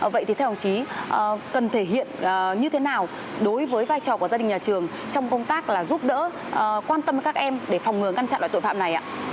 vậy thì theo ông chí cần thể hiện như thế nào đối với vai trò của gia đình nhà trường trong công tác là giúp đỡ quan tâm các em để phòng ngừa ngăn chặn loại tội phạm này ạ